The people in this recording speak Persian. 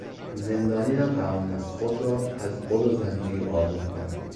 زندانی نتوانست خود را از غل و زنجیر آزاد کند.